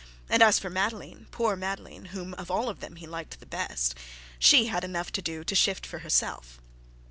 And as for Madeline poor Madeline, whom of all of them he liked the best, she had enough to do to shift for herself.